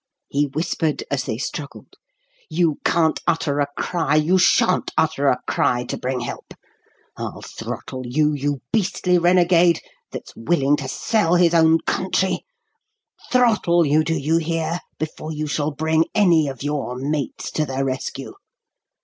he whispered, as they struggled. "You can't utter a cry you shan't utter a cry to bring help. I'll throttle you, you beastly renegade, that's willing to sell his own country throttle you, do you hear? before you shall bring any of your mates to the rescue.